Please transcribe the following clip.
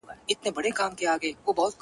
• له مايې ما اخله.